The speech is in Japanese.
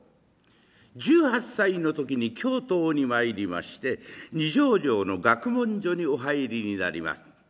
１８歳の時に京都に参りまして二条城の学問所にお入りになります。